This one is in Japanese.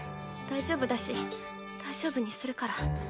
大丈夫だし大丈夫にするから。